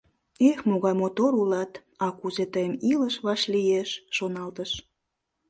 «Эх, могай мотор улат, а кузе тыйым илыш вашлиеш!» — шоналтыш.